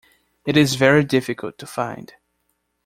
It is very difficult to find.